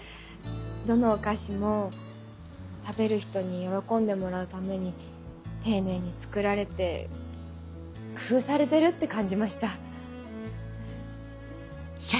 どのお菓子も食べる人に喜んでもらうために丁寧に作られて工夫されてるって感じました。